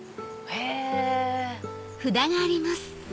へぇ。